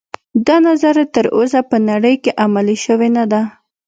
دا نظریه تر اوسه په نړۍ کې عملي شوې نه ده